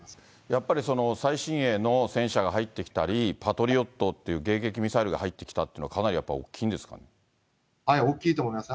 やっぱりその最新鋭の戦車が入ってきたり、パトリオットっていう迎撃ミサイルが入ってきたっていうのは、か大きいと思います。